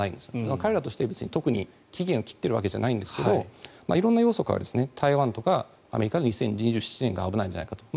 彼らとして特に期限を切っているわけじゃないんですが色んな要素から台湾とかアメリカは２０２７年が危ないんじゃないかと。